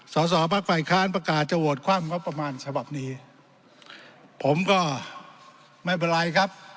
สอสอพักฝ่ายค้านประกาศจะโหวตความงบประมาณฉบับนี้ผมก็ไม่เป็นไรครับ